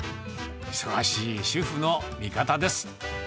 忙しい主婦の味方です。